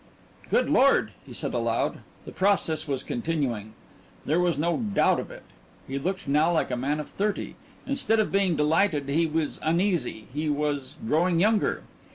"Good Lord!" he said aloud. The process was continuing. There was no doubt of it he looked now like a man of thirty. Instead of being delighted, he was uneasy he was growing younger.